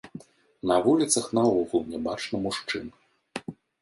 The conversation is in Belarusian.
На вуліцах наогул нябачна мужчын.